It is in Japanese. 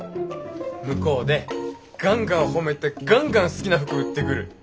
向こうでガンガン褒めてガンガン好きな服売ってくる。